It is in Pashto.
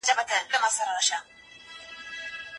قلمي خط د نامعلومو شیانو د کشف پیل دی.